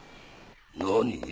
何？